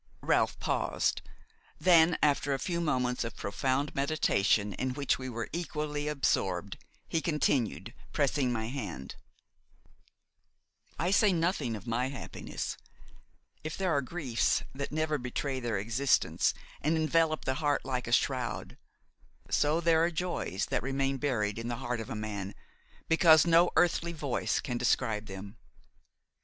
Ralph paused; then, after a few moments of profound meditation in which we were equally absorbed, he continued, pressing my hand: "I say nothing of my happiness; if there are griefs that never betray their existence and envelop the heart like a shroud, so there are joys that remain buried in the heart of a man because no earthly voice can describe them.